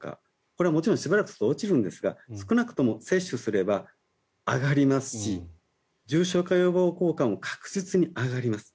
これはもちろんしばらくすると落ちるんですが少なくとも接種すれば上がりますし重症化予防効果も確実に上がります。